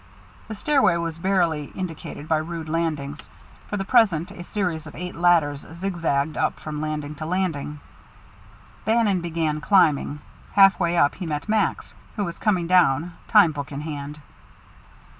The stairway was barely indicated by rude landings. For the present a series of eight ladders zigzagged up from landing to landing. Bannon began climbing; halfway up he met Max, who was coming down, time book in hand.